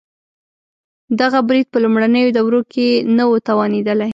دغه برید په لومړنیو دورو کې نه و توانېدلی.